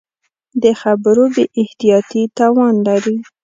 د خبرو بې احتیاطي تاوان لري